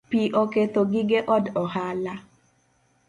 Pi oketho gige od ohala